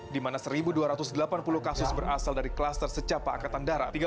di mana satu dua ratus delapan puluh kasus berasal dari klaster secapa angkatan darat